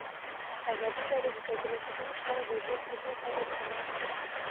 ازادي راډیو د چاپیریال ساتنه په اړه د عبرت کیسې خبر کړي.